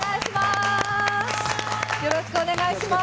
よろしくお願いします。